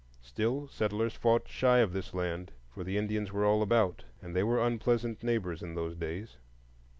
Still, settlers fought shy of this land, for the Indians were all about, and they were unpleasant neighbors in those days.